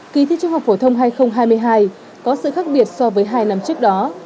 kỳ thi trung học phổ thông hai nghìn hai mươi hai có sự khác biệt so với hai năm trước đó